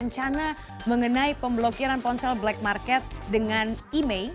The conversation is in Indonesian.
rencana mengenai pemblokiran ponsel black market dengan email